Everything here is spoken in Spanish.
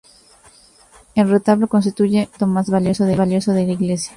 El retablo constituye el elemento más valioso de la iglesia.